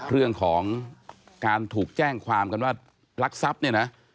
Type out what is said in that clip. เรื่องของการถูกแจ้งความว่าลักษัพเนี่ยนะ